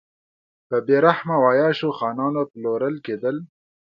په بې رحمه او عیاشو خانانو پلورل کېدل.